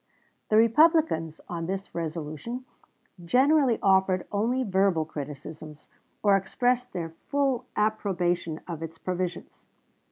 The Republicans on this resolution generally offered only verbal criticisms or expressed their full approbation of its provisions.